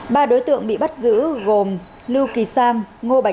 ba đối tượng bị bắt giữ gồm lưu kỳ sang ngô bạch